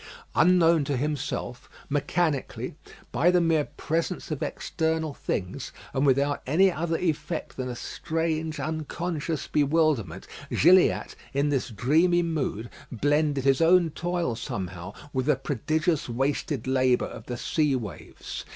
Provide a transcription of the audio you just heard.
Unknown to himself, mechanically, by the mere pressure of external things, and without any other effect than a strange, unconscious bewilderment, Gilliatt, in this dreamy mood, blended his own toil somehow with the prodigious wasted labour of the sea waves.